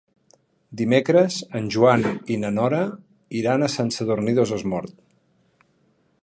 Dimecres en Joan i na Nora iran a Sant Sadurní d'Osormort.